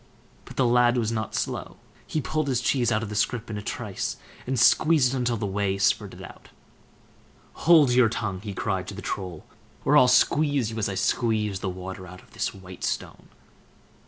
But the lad was not slow; he pulled his cheese out of the scrip in a trice, and squeezed it till the whey spurted out. "Hold your tongue!" he cried to the Troll, "or I'll squeeze you as I squeeze the water out of this white stone."